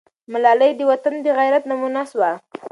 ملالۍ د وطن د غیرت نمونه سوه.